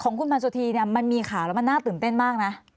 ของคุณพันสุธีเนี่ยมันมีข่าวแล้วมันน่าตื่นเต้นมากนะ